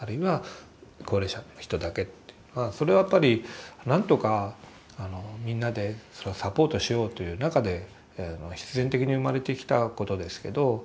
それはやっぱりなんとかみんなでそれをサポートしようという中で必然的に生まれてきたことですけど。